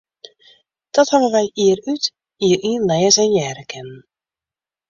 Dat hawwe wy jier út, jier yn lêze en hearre kinnen.